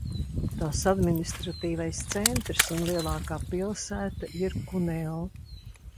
Tās administratīvais centrs un lielākā pilsēta ir Kuneo.